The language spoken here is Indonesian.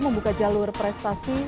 membuka jalur prestasi